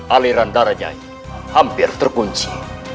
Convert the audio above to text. aliran darahnya hampir terkunci